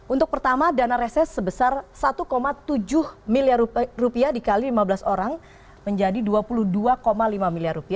untuk pertama dana reses sebesar rp satu tujuh miliar dikali lima belas orang menjadi rp dua puluh dua lima miliar